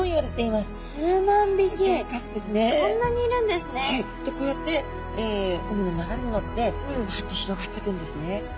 でこうやって海の流れにのってぶわっと広がってくんですね。